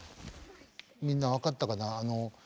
みんな分かったかな？